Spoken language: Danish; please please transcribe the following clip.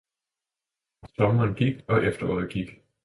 Og sommeren gik, og efteråret gik.